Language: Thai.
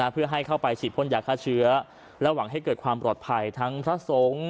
เพื่อให้เข้าไปฉีดพ่นยาฆ่าเชื้อและหวังให้เกิดความปลอดภัยทั้งพระสงฆ์